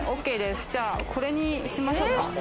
じゃあ、これにしましょうか。